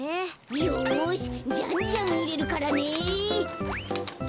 よしじゃんじゃんいれるからね。